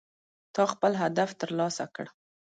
تا خپل هدف ترلاسه کړ